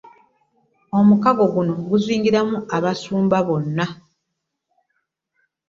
Omukago guno guzingiramu Obusumba bwonna